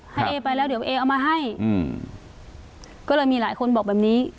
เอไปแล้วเดี๋ยวเอเอามาให้อืมก็เลยมีหลายคนบอกแบบนี้